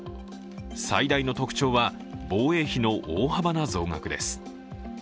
最大の特徴は防衛費の大幅な増額です。